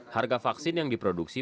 harga vaksin yang diproduksi